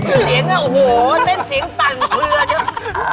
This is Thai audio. เสียงน่ะโอ้โฮเส้นเสียงสั่งเผือน